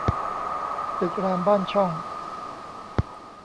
ตึกรามบ้านช่อง